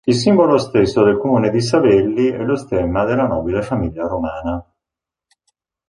Il simbolo stesso del comune di Savelli è lo stemma della nobile famiglia romana.